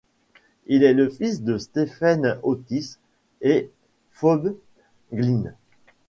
Il est le fils de Stephen Otis et Phoebe Glynn.